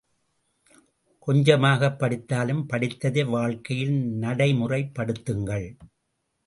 கொஞ்சமாகப் படித்தாலும், படித்ததை வாழ்க்கையில் நடை முறைப்படுத்துங்கள்!